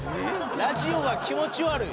ラジオが気持ち悪い？